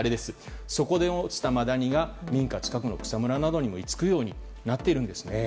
そこで落ちたマダニが民家近くの草むらなどに居つくようになってるんです。